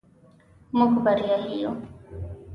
موږ بریالي یو.